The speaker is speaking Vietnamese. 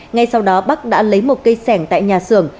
ngay sau đó bắc đã lấy một cây sẻng tại nhà xưởng